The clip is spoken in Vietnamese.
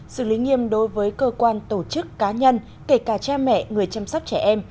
xử lý nghiêm đối với cơ quan tổ chức cá nhân kể cả cha mẹ người chăm sóc trẻ em